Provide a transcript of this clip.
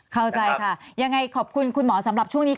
เข้าใจค่ะยังไงขอบคุณคุณหมอสำหรับช่วงนี้ค่ะ